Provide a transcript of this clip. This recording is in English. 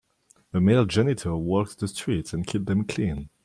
A male janitor walks the streets and keeps them clean.